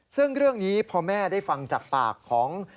ซึ่งเรื่องนี้พอแม่ได้ฟังจากปากของ